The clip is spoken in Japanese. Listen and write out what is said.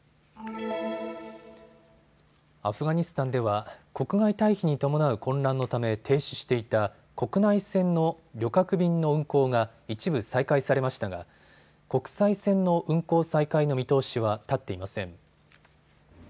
アフガニスタンでは国外退避に伴う混乱のため停止していた国内線の旅客便の運航が一部再開されましたが国際線の運航再開の見通しは立っていません。